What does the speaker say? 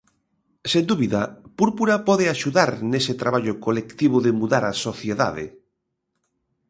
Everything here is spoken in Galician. Sen dúbida, Púrpura pode axudar nese traballo colectivo de mudar a sociedade.